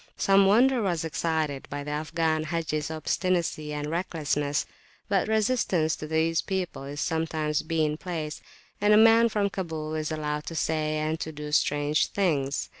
Some wonder was excited by the Afghan Haji's obstinacy and recklessness; but resistance to these people is sometimes bien place, and a man from Kabul is allowed to say and to do strange things.